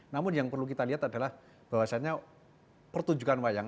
namun yang perlu kita lihat adalah bahwasannya pertunjukan wayang